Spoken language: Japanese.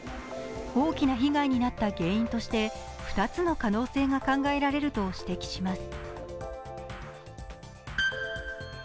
大きな被害になった原因として２つの可能性が考えられると指摘します。